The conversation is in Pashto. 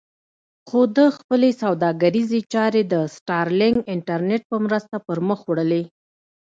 خو ده خپلې سوداګریزې چارې د سټارلېنک انټرنېټ په مرسته پر مخ وړلې.